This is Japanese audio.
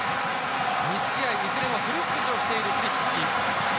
２試合いずれもフル出場しているプリシッチ。